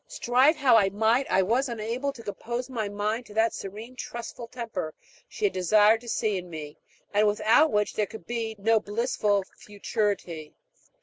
Strive how I might, I was unable to compose my mind to that serene, trustful temper she had desired to see in me, and without which there could be no blissful futurity.